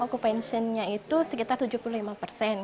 okupansionnya itu sekitar tujuh puluh lima persen